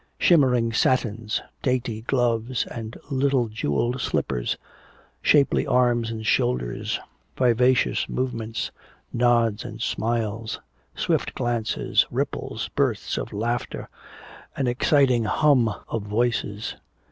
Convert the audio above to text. Shimmering satins, dainty gloves and little jewelled slippers, shapely arms and shoulders, vivacious movements, nods and smiles, swift glances, ripples, bursts of laughter, an exciting hum of voices.